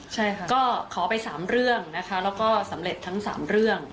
ใช่ค่ะก็ขอไป๓เรื่องนะคะแล้วก็สำเร็จทั้ง๓เรื่อง